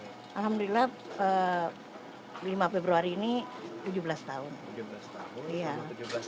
alhamdulillah lima februari ini tujuh belas tahun